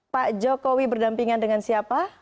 pak jokowi berdampingan dengan siapa